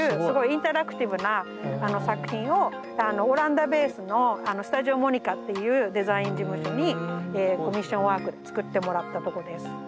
すごいインタラクティブな作品をオランダベースのスタジオモニカっていうデザイン事務所にコミッションワークで作ってもらったとこです。